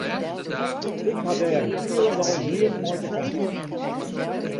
Ik ha dêr hielendal neat mei te krijen.